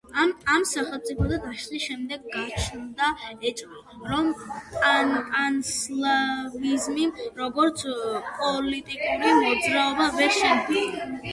ამ სახელმწიფოთა დაშლის შემდეგ გაჩნდა ეჭვი, რომ პანსლავიზმი, როგორც პოლიტიკური მოძრაობა ვერ შედგა.